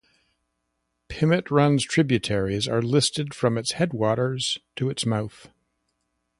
Pimmit Run's tributaries are listed from its headwaters to its mouth.